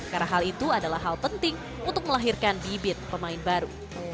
karena hal itu adalah hal penting untuk melahirkan bibit pemain baru